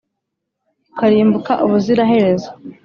ukarimbuka ubuziraherezo!